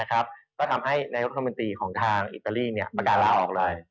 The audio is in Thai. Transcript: ก็ทำให้นายรัฐมนตรีของทางอิตาลีประกาศลาออกเลย